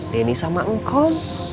deni sama engkong